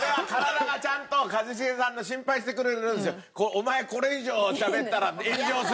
お前これ以上喋ったら炎上するぞ！